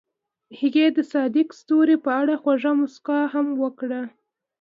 هغې د صادق ستوري په اړه خوږه موسکا هم وکړه.